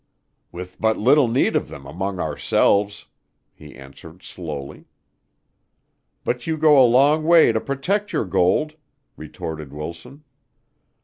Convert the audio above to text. "With but little need of them among ourselves," he answered slowly. "But you go a long way to protect your gold," retorted Wilson.